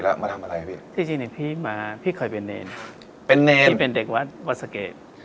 แล้วมาทำอะไรพี่ที่จริงเนี่ยพี่มาพี่เคยเป็นเนรเป็นเนรที่เป็นเด็กวัดวัดสะเกด